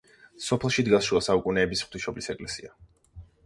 სოფელში დგას შუა საუკუნეების ღვთისმშობლის ეკლესია.